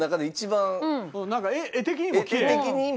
なんか画的にもきれい。